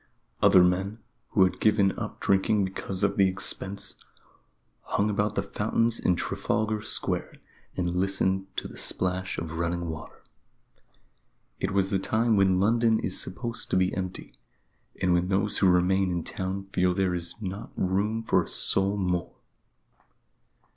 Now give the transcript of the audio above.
Other men, who had given up drinking because of the expense, hung about the fountains in Trafalgar Square and listened to the splash of running water. It was the time when London is supposed to be empty; and when those who remain in town feel there is not room for a soul more.